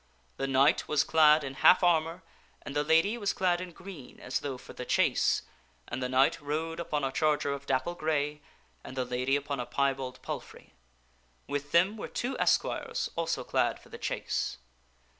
The knight was clad in half armor, and the lady was clad in green as though for the chase; and the knight rode upon a charger of dapple gray, and the lady upon a piebald palfrey. With them were two esquires, also clad for the chase.